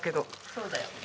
そうだよ。